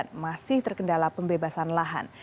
dan masih terkendala pembebasan lahan